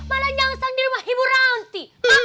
malah nyangkang di rumah hiburanti